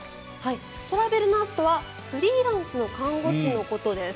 トラベルナースとはフリーランスの看護師のことです。